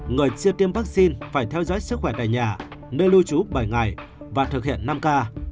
người chưa tiêm vaccine phải theo dõi sức khỏe tại nhà nơi lưu trú bảy ngày và thực hiện năm k